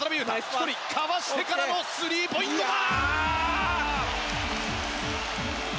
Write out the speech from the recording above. １人かわしてからのスリーポイントだ！